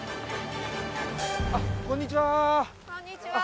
あっこんにちは。